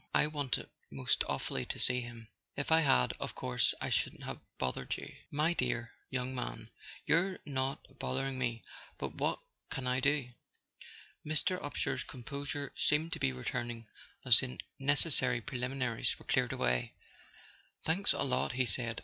I w r anted most awfully to see him; if I had, of course I shouldn't have bothered you." "My dear young man, you're not bothering me. But what can I do?" Mr. Upsher's composure seemed to be returning as [ 104 ] A SON AT THE FRONT the necessary preliminaries were cleared away. "Thanks a lot," he said.